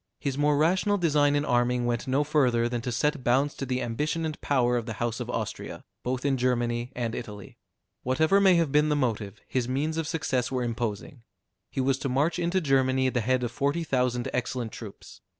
His more rational design in arming went no further than to set bounds to the ambition and power of the house of Austria, both in Germany and Italy. Whatever may have been the motive, his means of success were imposing. He was to march into Germany at the head of forty thousand excellent troops.